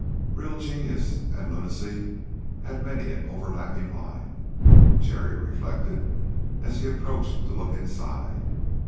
Real genius and lunacy had many an over lapping line, Jerry reflected as he approached to look inside.